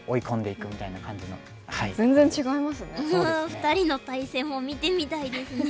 ２人の対戦も見てみたいですね。